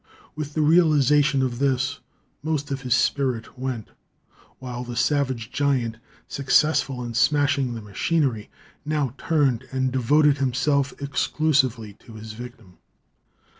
With the realization of this, most of his spirit went, while the savage giant, successful in smashing the machinery, now turned and devoted himself exclusively to his victim.